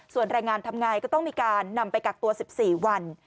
ส่วนแรงงานทำไงก็ต้องมีการนำไปกักตัว๑๔วัน